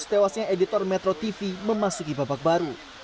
tewasnya editor metro tv memasuki babak baru